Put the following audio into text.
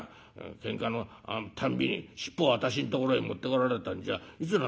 けんかのたんびに尻尾を私んところへ持ってこられたんじゃいくら